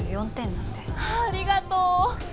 ありがとう！